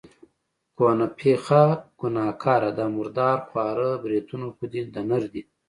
کهنه پېخه، ګنهګاره، دا مردار خواره بریتونه خو دې د نر دي.